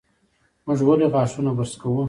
موږ ولې غاښونه برس کوو؟